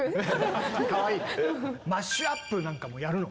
マッシュアップなんかもやるの？